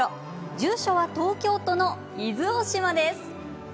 住所は、東京都の伊豆大島です。